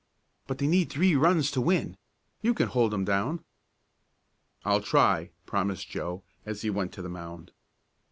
"But they need three runs to win. You can hold 'em down!" "I'll try," promised Joe, as he went to the mound.